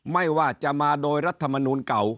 ไม่ว่าจะมาโดยรัฐมนูลเก่า